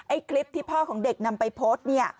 ไอ้คลิปที่พ่อของเด็กนำไปโพสต์